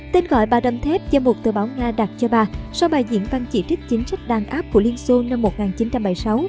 tên gọi bà đâm thép do một tờ báo nga đặt cho bà sau bài diễn văn chỉ trích chính sách đàn áp của liên xô năm một nghìn chín trăm bảy mươi sáu